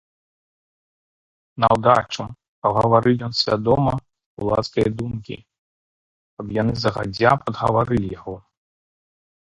Наўдачу, каб гаварыў ён свядома з кулацкае думкі, каб яны загадзя падгаварылі яго.